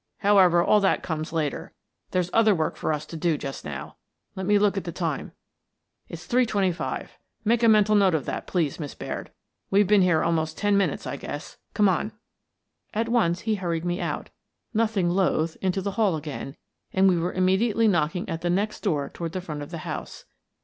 However, all that comes later. There's other work for us to do just now. Let me look at the time. It's three twenty five. Make a mental note of that, please, Miss Baird. We've been here almost ten minutes, I guess. Come on." At once he hurried me out, nothing loath, into the hall again, and we were immediately knocking at the next door toward the front of the house.